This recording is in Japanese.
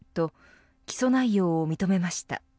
起訴内容を認めました。